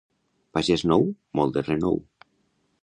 Pagès nou, molt de renou.